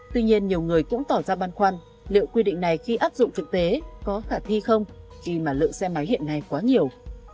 tuy nhiên nhiều người cũng tỏ ra băn khoăn liệu quy định này khi áp dụng thực tế có khả thi không khi mà lượng xe máy hiện nay quá nhiều